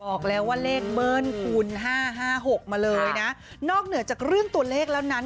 บอกแล้วว่าเลขเบิ้ลคูณห้าห้าหกมาเลยนะนอกเหนือจากเรื่องตัวเลขแล้วนั้น